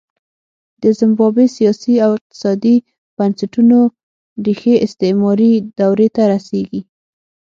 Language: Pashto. د زیمبابوې سیاسي او اقتصادي بنسټونو ریښې استعمار دورې ته رسېږي.